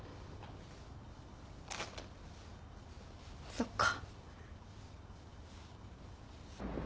そっか。